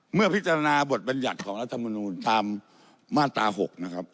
เมื่อพิจารณาบทบัญญัติของรัฐมนูลตามมาตรา๖นะครับ